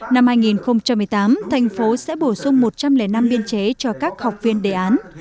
năm hai nghìn một mươi tám thành phố sẽ bổ sung một trăm linh năm biên chế cho các học viên đề án